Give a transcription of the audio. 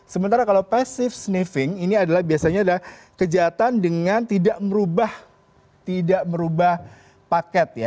sementara kalau pacive sniffing ini adalah biasanya adalah kejahatan dengan tidak merubah paket ya